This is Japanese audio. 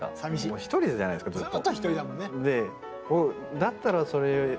一人じゃないですかずっと。